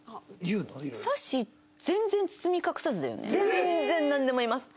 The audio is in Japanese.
全然なんでも言います！！